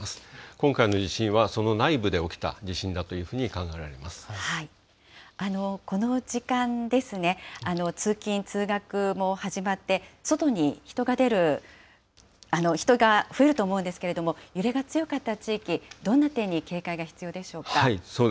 今回の地震はその内部で起きた地この時間ですね、通勤・通学も始まって、外に人が出る、人が増えると思うんですが、揺れが強かった地域、どんな点に警戒が必要でしょうか。